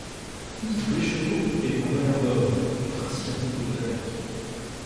Yves Brécheteau est un meneur d'homme, il pratique un football d'attaque.